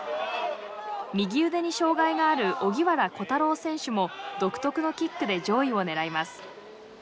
右腕に障害がある荻原虎太郎選手も独特のキックで上位を狙います。